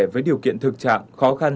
với điều kiện thực trạng khó khăn